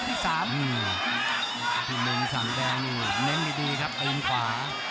ที่มุมก็เล็งแนงดีครับไปรุมซ้อนกว่า